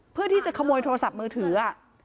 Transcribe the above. เพื่อที่จะขโมยโทรศัพท์มือถือ